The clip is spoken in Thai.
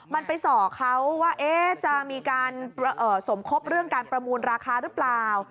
มันไปส่อเขาว่าจะมีการสมคบเรื่องการประมูลราคาหรือเปล่า